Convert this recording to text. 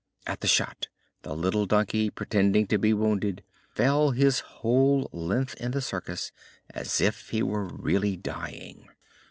At the shot the little donkey, pretending to be wounded, fell his whole length in the circus, as if he were really dying.